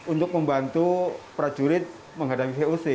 untuk membantu prajurit menghadapi voc